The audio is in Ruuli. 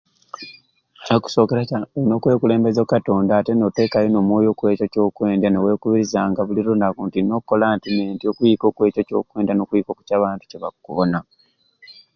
Okusookera kakyalumwe olina okwekulemberya o katonda ate n'oteekayo n'omwoyo okwekyo kyokwendya niwekubiriza nga buli lunaku nti nina okukola nkini nti okwika okwekyo kyokwendya n'eky'abantu kyebakubona.